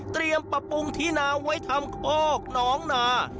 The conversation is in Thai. เตรียมปรับปรุงธีนาไว้ทำโค้กน้องนา